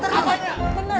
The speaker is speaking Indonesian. kepalanya ke sana kak